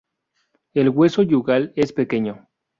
El hueso yugal es pequeño.